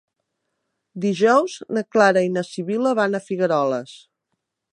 Dijous na Clara i na Sibil·la van a Figueroles.